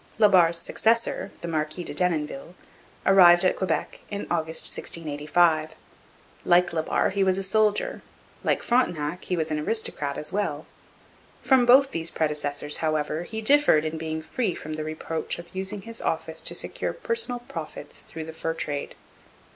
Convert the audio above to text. La Barre's successor, the Marquis de Denonville, arrived at Quebec in August 1685. Like La Barre, he was a soldier; like Frontenac, he was an aristocrat as well. From both these predecessors, however, he differed in being free from the reproach of using his office to secure personal profits through the fur trade.